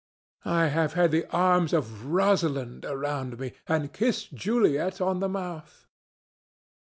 I have had the arms of Rosalind around me, and kissed Juliet on the mouth."